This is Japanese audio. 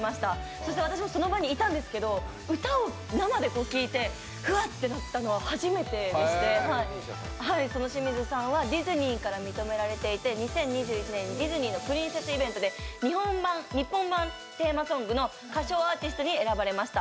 そして、私もその場にいたんですけど、歌を生で聴いてウワッてなったのは初めてでしてその清水さんはディズニーから認められていて２０２１年にディズニーのプリンセスイベントで日本版テーマソングの歌唱アーティストに選ばれました。